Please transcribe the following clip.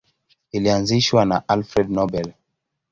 Ilianzishwa na Alfred Nobel.